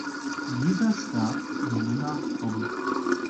Dieser starb ohne Nachkommen.